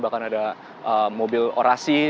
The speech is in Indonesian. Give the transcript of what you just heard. bahkan ada mobil orasi